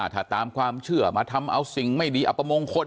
ถ้าตามความเชื่อมาทำเอาสิ่งไม่ดีอัปมงคล